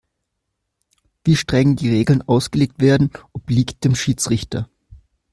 Wie streng die Regeln ausgelegt werden, obliegt dem Schiedsrichter.